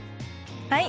はい。